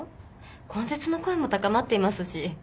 根絶の声も高まっていますし。